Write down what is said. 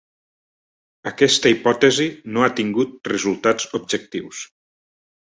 Aquesta hipòtesi no ha tingut resultats objectius.